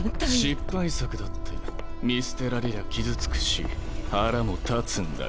失敗作だって見捨てられりゃ傷つくし腹も立つんだがね。